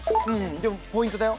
でもポイントだよ。